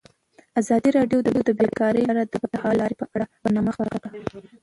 ازادي راډیو د بیکاري لپاره د بدیل حل لارې په اړه برنامه خپاره کړې.